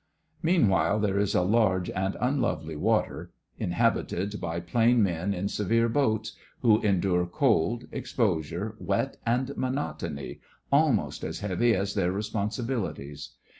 Meantime, there is a large and unlovely water, inhabited by plain men in severe boats, who endure cold, exposure, wet, and monotony almost as heavy as their respon sibilities.